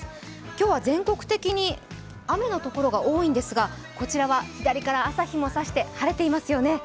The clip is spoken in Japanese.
今日は全国的に雨の所が多いんですがこちらは左から朝日もさして晴れていますよね。